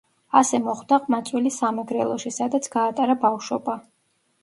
ასე მოხვდა ყმაწვილი სამეგრელოში, სადაც გაატარა ბავშვობა.